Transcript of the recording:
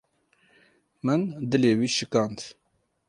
Min dilê wê şikand